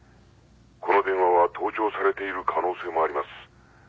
この電話は盗聴されている可能性もあります。